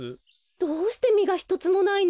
どうしてみがひとつもないの？